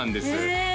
へえ